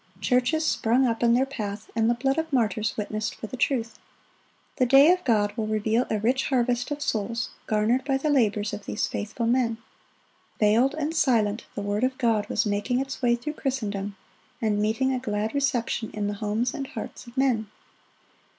Churches sprung up in their path, and the blood of martyrs witnessed for the truth. The day of God will reveal a rich harvest of souls garnered by the labors of these faithful men. Veiled and silent, the word of God was making its way through Christendom, and meeting a glad reception in the homes and hearts of men.